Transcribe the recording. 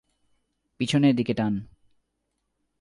পিছনের দিকে টান।